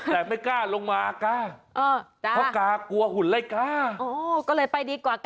แต่ไม่กล้าลงมากา